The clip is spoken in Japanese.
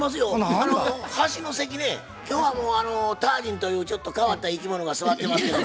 あの端の席ね今日はもうタージンというちょっと変わった生き物が座ってますけど。